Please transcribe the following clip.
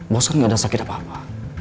bos kan gak ada sakit apa apa